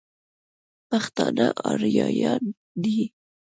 پښتانه اريايان دي.